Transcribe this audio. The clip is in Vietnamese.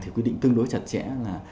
thì quy định tương đối chặt chẽ là